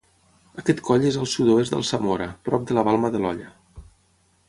Aquest coll és al sud-oest d'Alsamora, prop de la Balma de l'Olla.